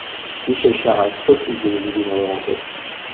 Michel Charasse refuse de les aider dans leur enquête.